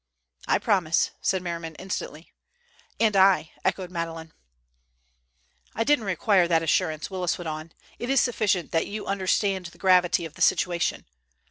"I promise," said Merriman instantly. "And I," echoed Madeleine. "I didn't require that assurance," Willis went on. "It is sufficient that you understand the gravity of the situation.